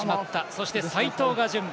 そして齋藤が準備。